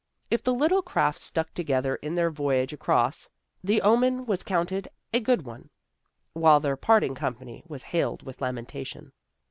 If the little craft stuck together in their voyage across, the omen was counted a good one, while their parting company was hailed with lamentation.